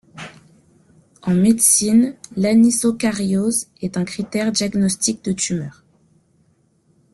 En médecine, l'anisocaryose est un critère diagnostic de tumeur.